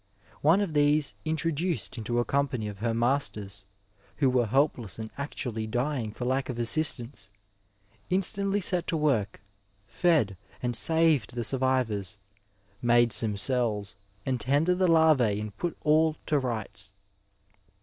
One of these ^' introduced into a company of her masters who were helpless and actually dying for lack of assistance, instantly set to work, &d and saved the survivors, made some cells, and tended the larvae and put all to rights."